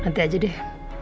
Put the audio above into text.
nanti aja deh